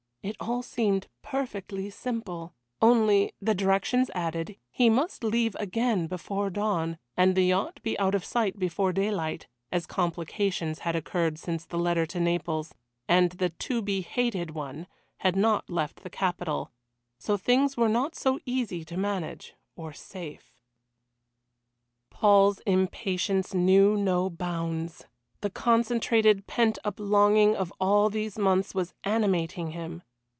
It all seemed perfectly simple only, the directions added, he must leave again before dawn, and the yacht be out of sight before daylight, as complications had occurred since the letter to Naples, and the To be hated one had not left the capital, so things were not so easy to manage, or safe. Paul's impatience knew no bounds. The concentrated pent up longing of all these months was animating him.